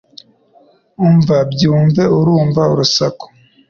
Umva byumve urumva urusaku